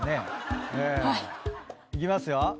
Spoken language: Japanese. いきますよ。